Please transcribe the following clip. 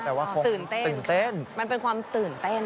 แต่ว่าคงตื่นเต้นมันเป็นความตื่นเต้น